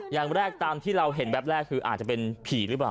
อย่างแรกตามที่เราเห็นแบบแรกคืออาจจะเป็นผีหรือเปล่า